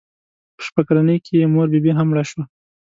په شپږ کلنۍ کې یې مور بي بي هم مړه شوه.